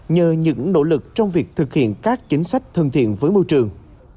nhờ những nỗ lực trong việc thực hiện các chính sách thân thiện với môi trường